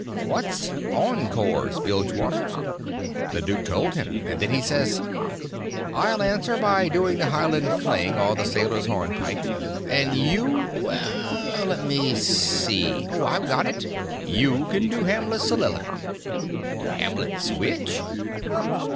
"What's onkores, Bilgewater?" The duke told him, and then says: "I'll answer by doing the Highland fling or the sailor's hornpipe; and you—well, let me see—oh, I've got it—you can do Hamlet's soliloquy." "Hamlet's which?"